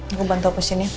aku bantu oposin ya